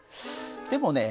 でもね